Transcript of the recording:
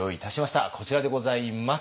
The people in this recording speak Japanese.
こちらでございます。